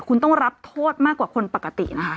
คุณต้องรับโทษมากกว่าคนปกตินะคะ